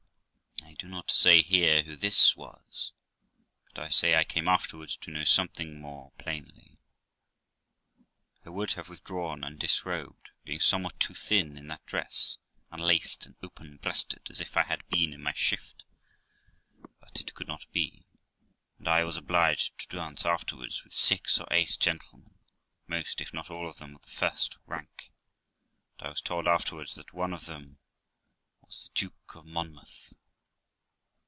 I do not say here who this was, but I say I came afterwards to know something more plainly. I would have withdrawn, and disrobed, being somewhat too thin in that dress, unlaced and open breasted, as if I had been in my shift; but it could not be, and I was obliged to dance after wards with six or eight gentlemen, most, if not all of them, of the first rank; and I was told afterwards that one of them was the Duke of M[onmou]th.